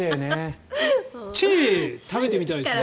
チェー、食べてみたいですね。